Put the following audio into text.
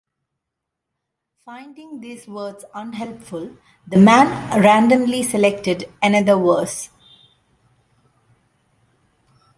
Finding these words unhelpful, the man randomly selected another verse.